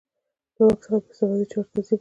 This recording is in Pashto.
له واک څخه یې په استفادې چارې تنظیم کړې.